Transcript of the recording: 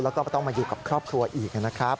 แล้วก็ต้องมาอยู่กับครอบครัวอีกนะครับ